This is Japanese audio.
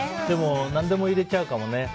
でも、何でも入れちゃうかもね。